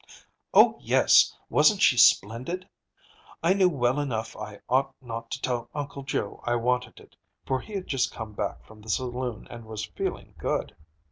"Oh, yes! Wasn't she splendid! I knew well enough I ought not to tell Uncle Joe I wanted it, for he had just come back from the saloon and was feeling good.